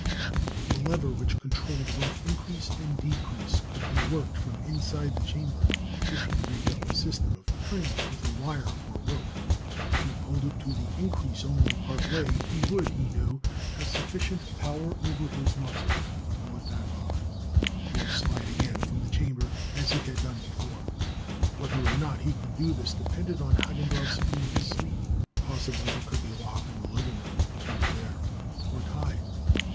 The lever which controlled both increase and decrease could be worked from inside the chamber if he rigged up a system of turning it with a wire or rope. If he pulled it to the increase only part way, he would, he knew, have sufficient power over his muscles to pull it back off, or slide again from the chamber, as he had done before. Whether or not he could do this depended on Hagendorff's being asleep. Possibly he could be locked in the living room, if he were there. Or tied.